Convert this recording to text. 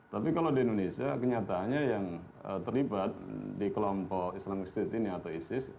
tapi kalau di indonesia kenyataannya yang terlibat di kelompok islamic state ini atau isis